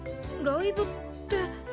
ライブって？